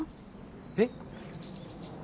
えっ？